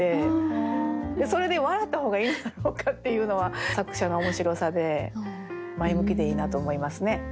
それで「笑った方がいいのだろうか」っていうのは作者の面白さで前向きでいいなと思いますね。